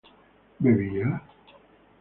¿bebía?